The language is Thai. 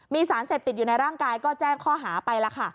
มีสารเสพติดอยู่ในร่างกายก็แจ้งข้อหาไปแล้วค่ะ